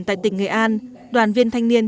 tại tỉnh nghệ an đoàn viên thanh niên